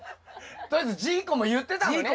とりあえずジーコも言ってたのね？